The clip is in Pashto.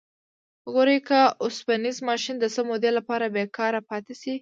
وګورئ که اوسپنیز ماشین د څه مودې لپاره بیکاره پاتې شي.